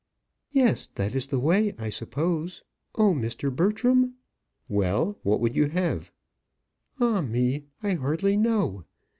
"Yes; that is the way, I suppose. Oh, Mr. Bertram!" "Well, what would you have?" "Ah, me! I hardly know.